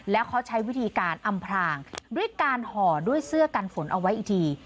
แล้วเขาใช้วิธีการอำพรางด้วยการห่อด้วยเสื้อกันฝนเอาไว้อีกที